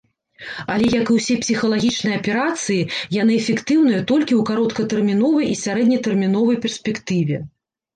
Але як і ўсе псіхалагічныя аперацыі яны эфектыўныя толькі ў кароткатэрміновай і сярэднетэрміновыя перспектыве.